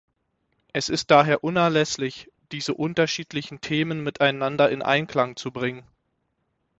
Es ist daher unerlässlich, diese unterschiedlichen Themen miteinander in Einklang zu bringen.